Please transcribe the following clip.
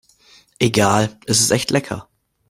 Egal, es ist echt lecker.